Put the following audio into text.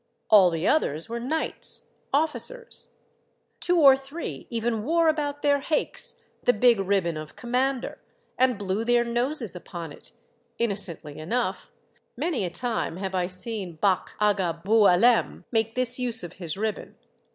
All the others were knights, officers ; two or three even wore about their haiks the big ribbon of Commander, and blew their noses upon it, innocently enough (many a time have I seen Bach' Aga Boualem make this use of his ribbon).